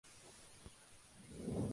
La isla es un centro vacacional en verano.